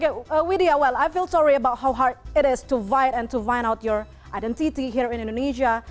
oke widya saya merasa bersalah karena sukar untuk mencari identitas anda di indonesia